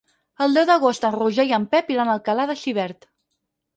El deu d'agost en Roger i en Pep iran a Alcalà de Xivert.